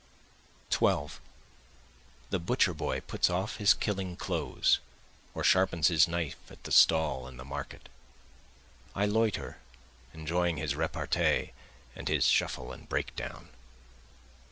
12 The butcher boy puts off his killing clothes, or sharpens his knife at the stall in the market, I loiter enjoying his repartee and his shuffle and break down.